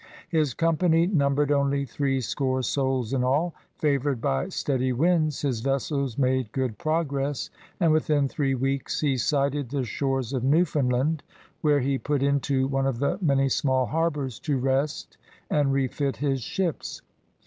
His company numbered only threescore souls in all. Favored by steady winds his vessels made good progress, and within three weeks he sighted the shores of Newfound land where he put into one of the many small harbors to rest and refit his ships.